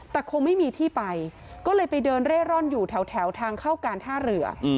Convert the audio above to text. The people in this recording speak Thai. แต่คงไม่มีที่ไปก็เลยไปเดินเร่ร่อนอยู่แถวทางเข้าการท่าเรือ